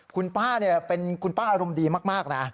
คุณป้าเนี่ยเป็นคุณป้าอารมณ์ดีมาก